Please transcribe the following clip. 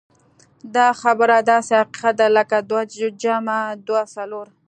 دا خبره داسې حقيقت دی لکه دوه جمع دوه څلور.